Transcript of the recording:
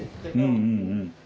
うんうんうん。